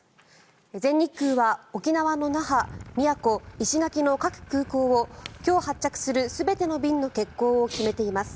全日空は沖縄の那覇、宮古石垣の沖縄の各空港を今日、発着する全ての便の欠航を決めています。